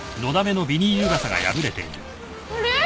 あれ？